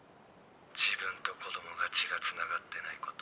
自分と子供が血がつながってないこと。